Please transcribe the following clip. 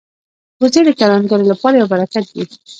وزې د کروندګرو لپاره یو برکت دي